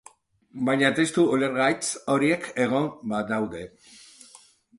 Baina testu ulergaitz horiek egon badaude.